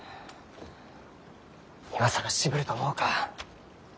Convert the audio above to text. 今更渋ると思うか？